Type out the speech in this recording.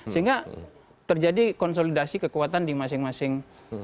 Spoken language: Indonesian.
sehingga terjadi konsolidasi kekuatan di masing masing